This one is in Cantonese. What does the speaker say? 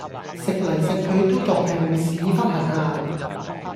食嚟食去都仲係會屎忽痕呀